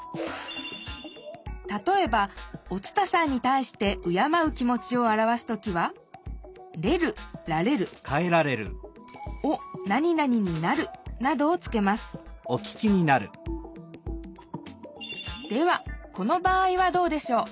たとえばお伝さんにたいして敬う気もちをあらわす時は「れる」「られる」「おなになにになる」などをつけますではこの場合はどうでしょう？